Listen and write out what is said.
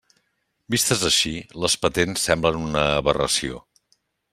Vistes així, les patents semblen una aberració.